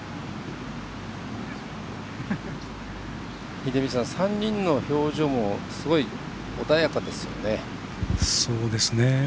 秀道さん、３人の表情も穏やかですよね。